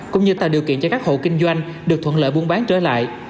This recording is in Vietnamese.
cũng như tạo điều kiện cho các hộ kinh doanh được thuận lợi buôn bán trở lại